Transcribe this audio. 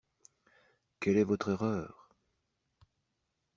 Quelle est votre erreur!